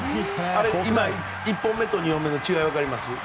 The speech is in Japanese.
今、１本目と２本目の違いわかります？